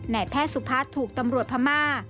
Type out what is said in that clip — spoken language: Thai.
นายแพทย์สุพัฒน์ถูกตำรวจพม่า